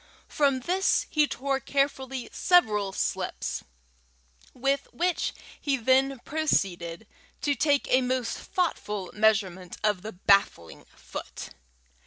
From this he tore carefully several slips, with which he then proceeded to take a most thoughtful measurement of the baffling foot.